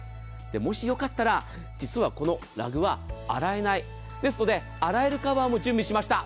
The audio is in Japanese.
もしよかったら実は、このラグは洗えないですので、洗えるカバーも準備しました。